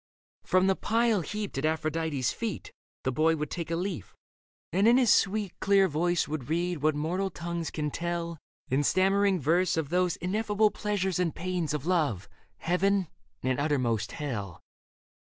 From the pile heaped at Aphrodite's feet The boy would take a leaf, and in his sweet, Clear voice would read what mortal tongues can tell In stammering verse of those ineffable Pleasures and pains of love, heaven and uttermost hell.